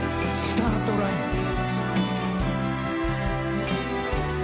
「スタートライン」。